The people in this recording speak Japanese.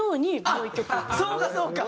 そうかそうか。